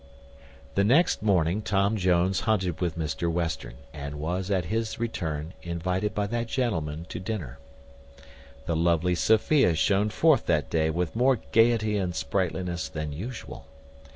The next morning Tom Jones hunted with Mr Western, and was at his return invited by that gentleman to dinner. The lovely Sophia shone forth that day with more gaiety and sprightliness than usual.